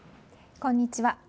こんにちは。